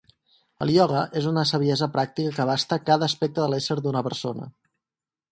El ioga és una saviesa pràctica que abasta cada aspecte de l'ésser d'una persona.